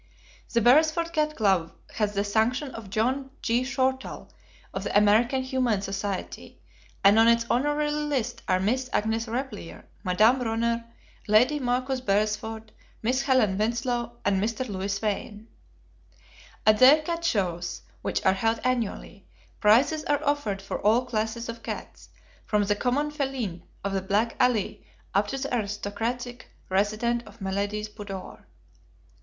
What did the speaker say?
The Beresford Cat Club has the sanction of John G. Shortall, of the American Humane Society, and on its honorary list are Miss Agnes Repplier, Madame Ronner, Lady Marcus Beresford, Miss Helen Winslow, and Mr. Louis Wain. At their cat shows, which are held annually, prizes are offered for all classes of cats, from the common feline of the back alley up to the aristocratic resident of milady's boudoir.